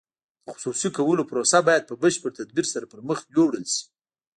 د خصوصي کولو پروسه باید په بشپړ تدبیر سره پرمخ یوړل شي.